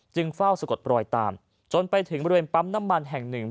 เฝ้าสะกดรอยตามจนไปถึงบริเวณปั๊มน้ำมันแห่งหนึ่ง